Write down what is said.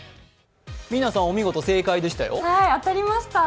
みなさん、お見事、正解でしたよ。